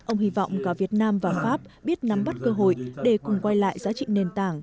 ông hy vọng cả việt nam và pháp biết nắm bắt cơ hội để cùng quay lại giá trị nền tảng